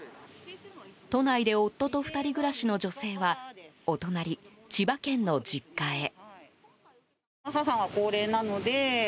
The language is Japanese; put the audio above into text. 都内で夫と２人暮らしの女性はお隣、千葉県の実家へ。